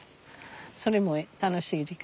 それも楽しい時間とか。